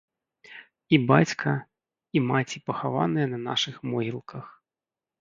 І бацька, і маці пахаваныя на нашых могілках.